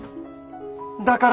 だから。